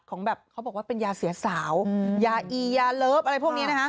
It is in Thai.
ของแบบเขาบอกว่าเป็นยาเสียสาวยาอียาเลิฟอะไรพวกนี้นะคะ